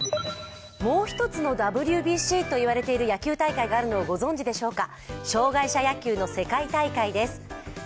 もう一つのＷＢＣと言われている野球大会があるのをご存じでしょうか。